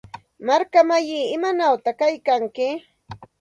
Markamsillaa, ¿imanawta kaykanki?